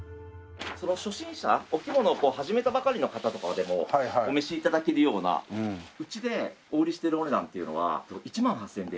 初心者お着物を始めたばかりの方とかでもお召し頂けるようなうちでお売りしてるお値段っていうのは１万８０００円で。